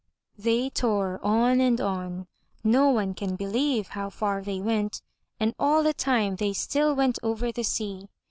They tore on and on — no one can believe how far they went — and all the time they still went over the sea.